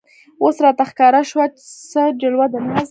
اوس راته ښکاره شوه څه جلوه د ناز